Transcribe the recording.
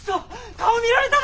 顔見られただ！